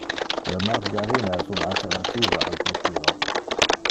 Le margarina es un alternativa al butyro.